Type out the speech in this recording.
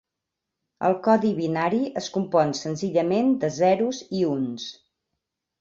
El codi binari es compon senzillament de zeros i uns.